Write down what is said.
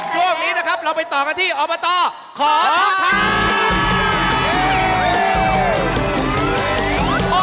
ช่วงนี้นะครับเราไปต่อกันที่อบตขอคำ